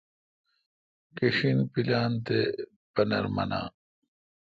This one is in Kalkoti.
کݭین پلان تےپنر منان